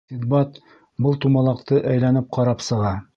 Синдбад был тумалаҡты әйләнеп ҡарап сыға.